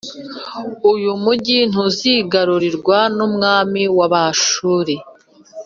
uyu mugi ntuzigarurirwa n’umwami w’Abanyashuru.